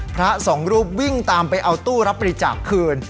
พระสองรูปวิ่งตามไปเอาตู้รับบริจาคคืน